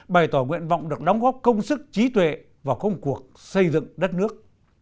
bày tỏ nguyện vọng được đóng góp công sức trí tuệ vào công cuộc xây dựng đất nước